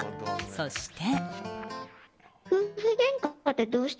そして。